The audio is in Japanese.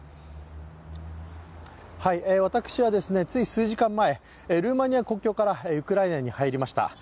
私はつい数時間前、ルーマニア国境からウクライナに入りました。